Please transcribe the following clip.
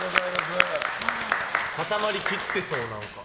塊切ってそう、何か。